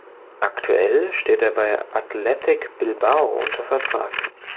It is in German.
Aktuell steht er bei Athletic Bilbao unter Vertrag.